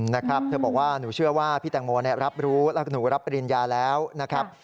นะครับเธอบอกว่าหนูเชื่อว่าพี่แตงโมรับรู้แล้วก็หนูรับปริญญาแล้วนะครับ